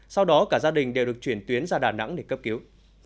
sau đó cả gia đình đều được chuyển tuyến ra đà nẵng để cấp cứu